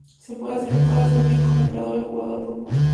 Se puede hacer bien como creador de jugadas profundas".